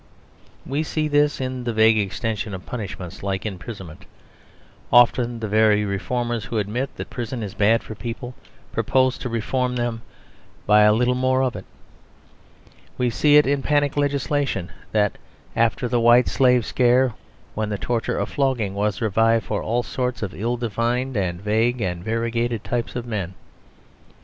We see this in the vague extension of punishments like imprisonment; often the very reformers who admit that prison is bad for people propose to reform them by a little more of it. We see it in panic legislation like that after the White Slave scare, when the torture of flogging was revived for all sorts of ill defined and vague and variegated types of men.